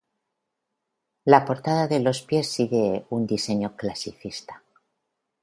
La portada de los pies sigue un diseño clasicista.